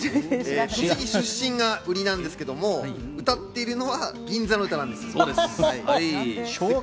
栃木出身が売りなんですけれども、歌っているのは銀座の歌なんです。